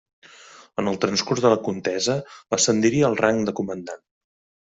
En el transcurs de la contesa ascendiria al rang de comandant.